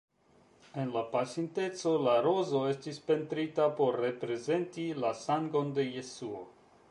En la pasinteco la rozo estis pentrita por reprezenti la sangon de Jesuo.